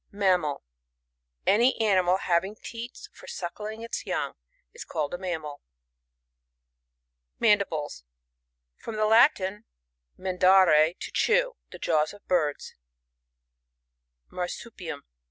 Mammal. — Any animal having teats for suckling its young, is called a mammal. Mandibles. — From the Latin, man* dare, to chew. The jaws of birds^ MARsurmM.